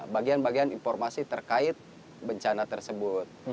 bagian bagian informasi terkait bencana tersebut